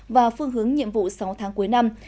và phương hướng nhiệm vụ sáu tháng cuối năm